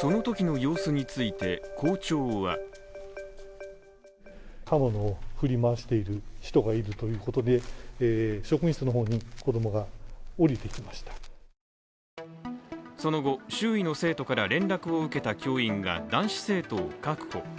そのときの様子について校長はその後、周囲の生徒から連絡を受けた教員が男子生徒を確保。